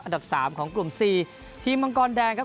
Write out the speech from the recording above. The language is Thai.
ดับสามของกลุ่ม๔ทีมมังกรแดงครับ